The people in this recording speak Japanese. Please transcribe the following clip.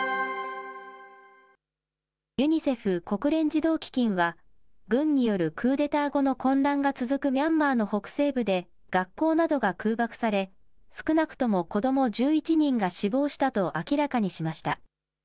ユニセフ・国連児童基金は軍によるクーデター後の混乱が続くミャンマーの北西部で学校などが空爆され、少なくとも子ども１１人が死亡したと明らかにしました。